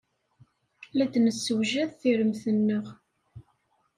La d-nessewjad tiremt-nneɣ.